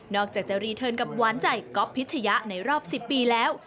อกจากจะรีเทิร์นกับหวานใจก๊อฟพิชยะในรอบ๑๐ปีแล้ว